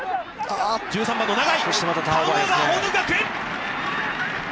１３番の永井。